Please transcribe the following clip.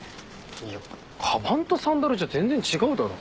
いやかばんとサンダルじゃ全然違うだろ。